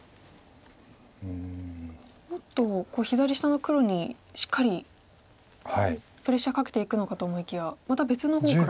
もっと左下の黒にしっかりプレッシャーかけていくのかと思いきやまた別の方から。